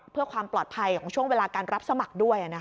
เพื่อความปลอดภัยของช่วงเวลาการรับสมัครด้วย